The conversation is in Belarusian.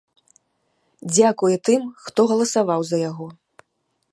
Дзякуе тым, хто галасаваў за яго.